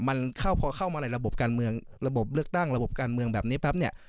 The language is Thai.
มันเข้าพอเข้ามาในระบบการเมืองระบบเลือกตั้งระบบการเมืองแบบนี้ปั๊บเนี่ย